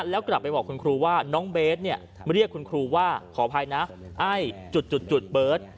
แล้วกลับไปบอกคุณครูว่าน้องเบสเนี่ยเรียกคุณครูว่าขออภัยนะไอ้จุดเบิร์ต